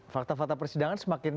fakta fakta persidangan semakin